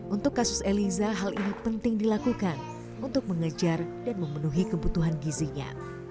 untuk kasus eliza hal ini penting dilakukan untuk mengejar dan memenuhi kebutuhan gizinya